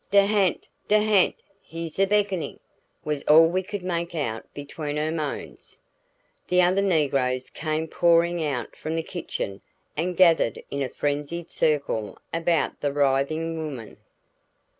"De ha'nt! De ha'nt! He's a beckoning," was all we could make out between her moans. The other negroes came pouring out from the kitchen and gathered in a frenzied circle about the writhing woman.